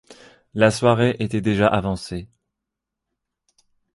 La soirée était déjà avancée.